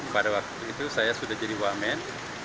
pada waktu itu saya sudah jadi wamen